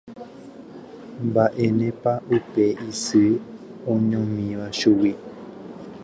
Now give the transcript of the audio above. Mba'énepa upe isy oñomíva chugui